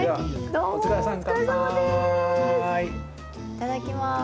いただきます。